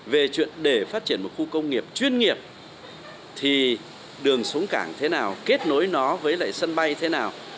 về chuyện để phát triển một khu công nghiệp chuyên nghiệp thì đường xuống cảng thế nào kết nối nó với lại sân bay thế nào